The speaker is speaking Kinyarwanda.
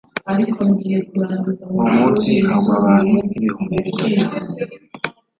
uwo munsi hagwa abantu nk ibihumbi bitatu